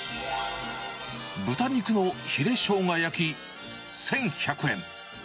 豚肉のヒレしょうが焼き１１００円。